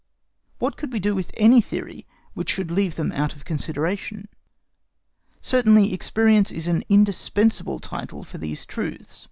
What could we do with any theory which should leave them out of consideration? Certainly experience is an indispensable title for these truths.